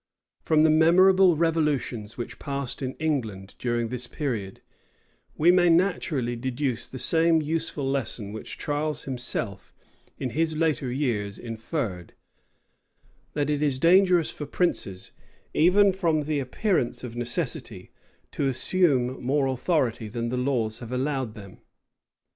From the memorable revolutions which passed in England during this period, we may naturally deduce the same useful lesson which Charles himself, in his later years, inferred; that it is dangerous for princes, even from the appearance of necessity, to assume more authority than the laws have allowed them.